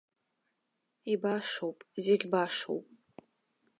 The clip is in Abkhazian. Ибашоуп, зегь башоуп.